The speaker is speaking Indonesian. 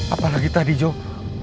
apalagi tadi joe